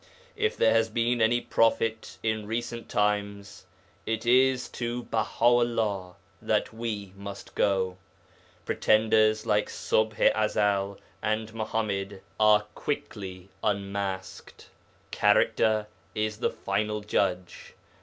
If there has been any prophet in recent times, it is to Baha 'ullah that we must go. Pretenders like Ṣubḥ i Ezel and Muḥammad are quickly unmasked. Character is the final judge.